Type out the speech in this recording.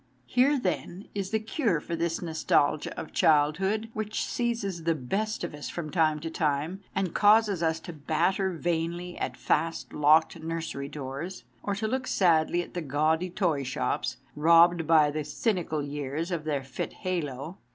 Here, then, is the cure for this nostalgia of childhood, which seizes the best of us from time to time, and causes us to batter vainly at fast locked nursery doors, or to look sadly at the gaudy toyshops, robbed by the cynical years of their fit halo.